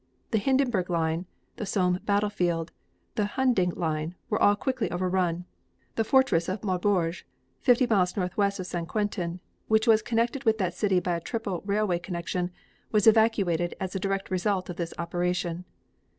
The Hindenburg line, the Somme battle field, the Hunding line, were all quickly overrun. The fortress of Maubeuge, fifty miles northeast of St. Quentin, which was connected with that city by a triple railway connection, was evacuated as a direct result of this operation.